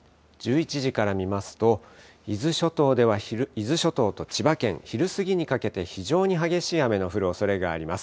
１１時から見ますと伊豆諸島と千葉県、昼過ぎにかけて非常に激しい雨の降るおそれがあります。